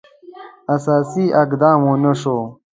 اساسي اقدام ونه شو.